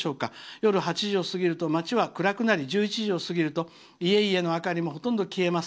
夜８時を過ぎると街は暗くなり１１時を過ぎると家々の明かりもほとんど消えます。